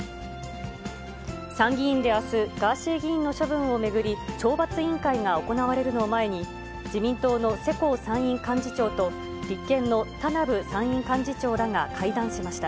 参議院であす、ガーシー議員の処分を巡り、懲罰委員会が行われるのを前に、自民党の世耕参院幹事長と、立憲の田名部参院幹事長らが会談しました。